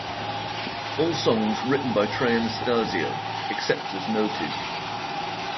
All songs written by Trey Anastasio, except as noted.